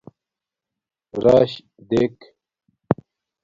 راش دیکھ